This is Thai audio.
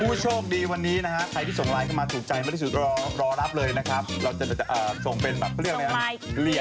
ผู้โชคดีวันนี้นะครับใครที่ส่งไลน์เข้ามาถูกใจมาร่อนับเลยนะครับเราจะส่งเป็นเป็นเทิมเณียดผมโทสไว้ให้